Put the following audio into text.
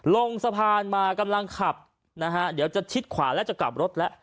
ลงสะพานมากำลังขับนะฮะเดี๋ยวจะชิดขวาแล้วจะกลับรถแล้ว